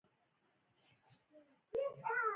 ملګری هغه څوک دی چې تا له لرې هم درک کوي